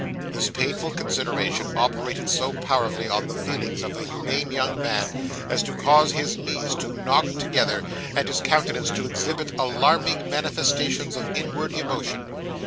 This painful consideration operated so powerfully on the feelings of the humane young man, as to cause his knees to knock together, and his countenance to exhibit alarming manifestations of inward emotion.